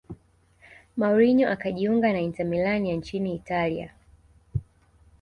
mourinho akajiunga na inter milan ya nchini italia